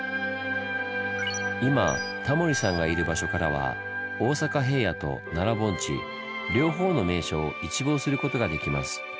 今タモリさんがいる場所からは大阪平野と奈良盆地両方の名所を一望することができます。